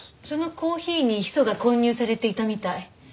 そのコーヒーにヒ素が混入されていたみたい。